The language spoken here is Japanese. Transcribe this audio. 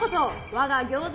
我が餃子